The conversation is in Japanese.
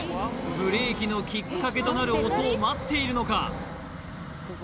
ブレーキのきっかけとなる音を待っているのか？